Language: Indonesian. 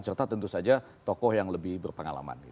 serta tentu saja tokoh yang lebih berpengalaman